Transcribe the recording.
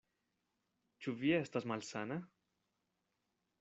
Ĉu vi estas malsana?